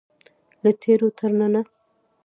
له تیرو تر ننه.